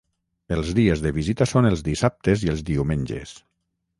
Els dies de visita són els dissabtes i els diumenges.